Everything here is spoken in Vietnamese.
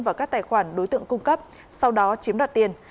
vào các tài khoản đối tượng cung cấp sau đó chiếm đoạt tiền